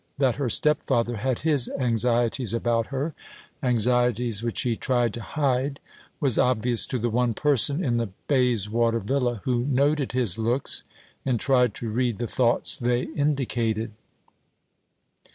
That her stepfather had his anxieties about her anxieties which he tried to hide was obvious to the one person in the Bayswater villa who noted his looks, and tried to read the thoughts they indicated.